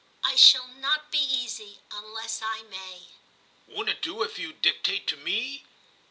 I shall not be easy unless I may/ ' Won't it do if you dictate to me